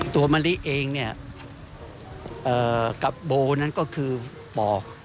มะลิเองเนี่ยกับโบนั้นก็คือปอก